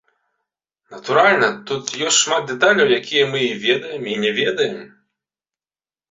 Натуральна, тут ёсць шмат дэталяў, якія мы і ведаем, і не ведаем.